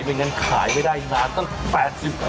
ไม่งั้นขายไม่ได้นานตั้ง๘๐ปี